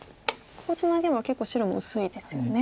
ここツナげば結構白も薄いですよね。